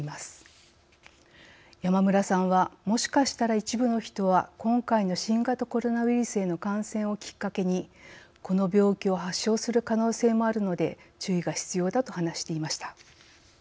山村さんはもしかしたら一部の人は今回の新型コロナウイルスへの感染をきっかけにこの病気を発症する可能性もあるので注意が必要だと話していました。